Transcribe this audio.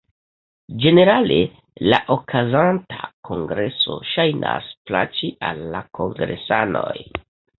Ĝenerale la okazanta kongreso ŝajnas plaĉi al la kongresanoj.